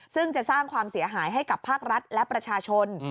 ซึ่งจะสร้างความเสียหายให้กับภาครัฐและประชาชน